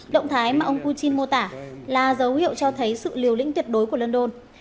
động thái mà ông putin mô tả là dấu hiệu cho thấy sự liều lĩnh tuyệt đối của london